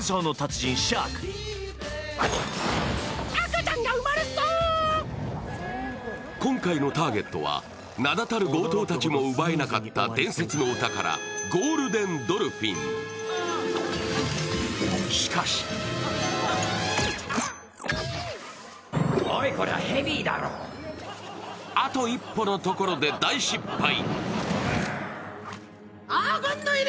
メンバーは今回のターゲットは、名だたる強盗たちも奪えなかった伝説のお宝、ゴールデンドルフィンしかし、あと一歩のところで大失敗